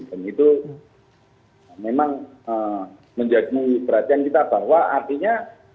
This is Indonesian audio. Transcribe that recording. dan itu memang menjadikan perhatian kita bahwa artinya